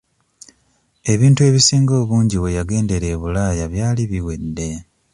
Ebintu ebisinga obungi we yagendera e Bulaaya byali biwedde.